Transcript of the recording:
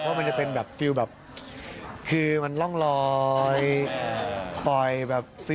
ว่ามันจะเป็นแบบคือมันร่องรอยปล่อยแบบฟิล